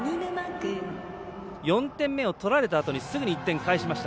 ４点目を取られたあとにすぐに１点返しました。